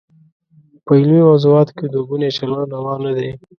په علمي موضوعاتو کې دوه ګونی چلند روا نه دی.